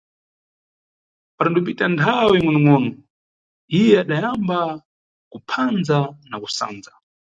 Padandopita nthawe ingʼonongʼono iye adayamba kuphandza na kusandza.